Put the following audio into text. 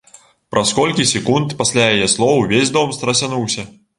Праз колькі секунд пасля яе слоў увесь дом страсянуўся.